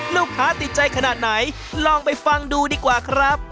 ลูกค้าติดใจขนาดไหนลองไปฟังดูดีกว่าครับ